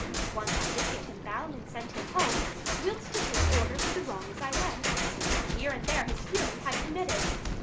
Once did I get him bound, and sent him home, 145 Whilst to take order for the wrongs I went, That here and there his fury had committed.